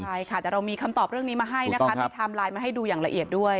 เดี๋ยวเรามีคำตอบเรื่องนี้มาให้ธามไลน์มาให้ดูอย่างละเอียดด้วย